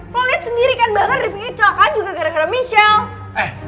lo liat sendiri kan bahkan rifqi kecelakaan juga gara gara michelle